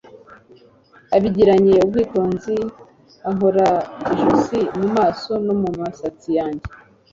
abigiranye ubwitonzi ankora ijosi, mu maso no mu misatsi yanjye